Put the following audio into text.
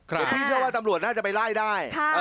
เดี๋ยวที่เชื่อว่าจำรวจหน้าจะไปล่าด้ได้